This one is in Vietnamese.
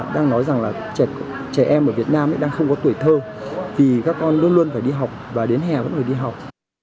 đang nói rằng là trẻ em ở việt nam đang không có tuổi thơ vì các con luôn luôn phải đi học và đến hè vẫn phải đi học